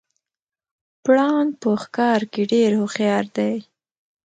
پړانګ په ښکار کې ډیر هوښیار دی